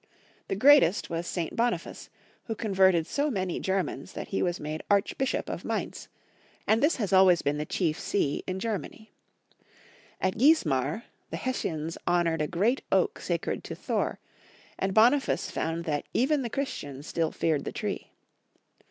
The greatest was St. Boni face, who converted so many Germans that he was made Archbishop of Mainz, and this has always been the chief see in Germany. At Giesmar, the Hessians honored a great oak sacred to Thor, and * A. strong man. The Franks. 69 Boniface found that even the Christians still feared the tree.